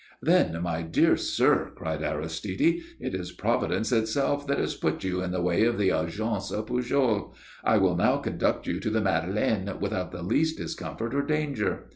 "Then, my dear sir," cried Aristide, "it is Providence itself that has put you in the way of the Agence Pujol. I will now conduct you to the Madeleine without the least discomfort or danger."